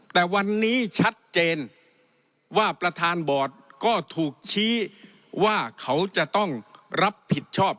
แต่วันนี้ชัดเจนว่าประธานบอร์ดก็ถูกชี้ว่าเขาจะต้องรับผิดชอบ